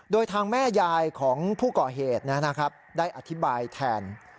โดยทางแม่ยายของผู้เกาะเหตุนะครับได้อธิบายแทน